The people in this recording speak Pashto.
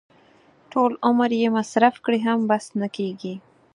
ټول عمر یې مصرف کړي هم بس نه کېږي.